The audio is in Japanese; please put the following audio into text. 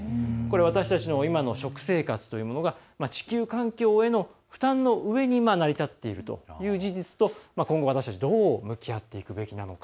私たちの今の食生活というものが地球環境への負担の上に今、成り立っているという事実と今後、私たちどう向き合っていくべきなのか。